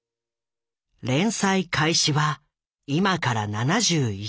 連載開始は今から７１年前。